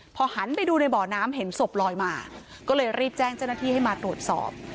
พอหันไปดูในบ่อน้ำเห็นศพลอยมาก็เลยรีบแจ้งเจ้าหน้าที่ให้มาตรวจสอบ